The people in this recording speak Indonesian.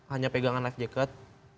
hanya pegangan life jacket